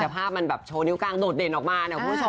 แต่ภาพมันแบบโดดเด่นออกมา